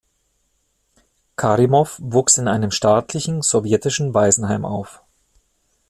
Karimov wuchs in einem staatlichen sowjetischen Waisenheim auf.